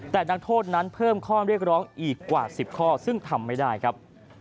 แต่นักโทษนั้นเพิ่มข้อเรียกร้องอีกกว่า๑๐ข้อซึ่งทำไม่ได้ครับ